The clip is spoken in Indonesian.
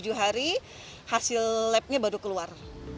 tujuh hari hasil labnya baru keluar